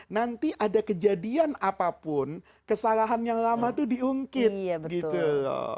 nanti ada kejadian apapun kesalahan yang lama itu diungkit gitu loh